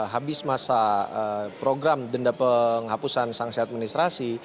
habis masa program denda penghapusan sanksi administrasi